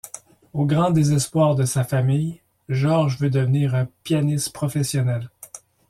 Au grand désespoir de sa famille, George veut devenir un pianiste professionnel.